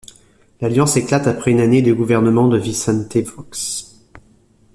L’alliance éclate après une année de gouvernement de Vicente Fox.